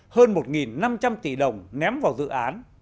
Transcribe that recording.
hơn một năm trăm linh tỷ đồng ném vào dự án